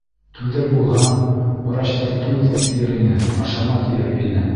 Түҙер булһам, врачтар түҙ, тиер ине, ашама, тиер ине.